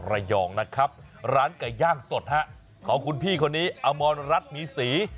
ระยองนะครับร้านไก่ย่างสดฮะของคุณพี่คนนี้อมรรัฐมีศรี